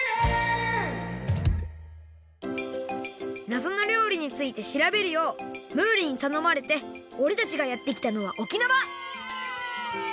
なぞの料理についてしらべるようムールにたのまれておれたちがやってきたのは沖縄！